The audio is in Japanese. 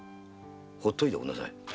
ほっといておくんなさい。